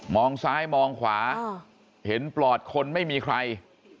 ซ้ายมองขวาเห็นปลอดคนไม่มีใคร